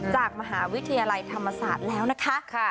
จากมหาวิทยาลัยธรรมศาสตร์แล้วนะคะ